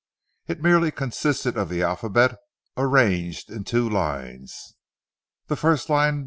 It merely consisted of the alphabet arranged in two lines as follows: A.